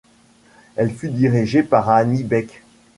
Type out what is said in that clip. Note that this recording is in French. Elle fut dirigée par Annie Becq.